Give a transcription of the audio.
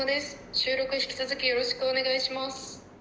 収録引き続きよろしくお願いします。